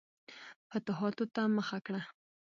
فتوحاتو ته مخه کړه.